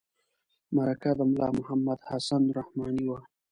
مرکه د ملا محمد حسن رحماني وه.